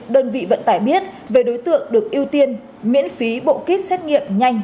đơn vị vận tải biết về đối tượng được ưu tiên miễn phí bộ kit xét nghiệm nhanh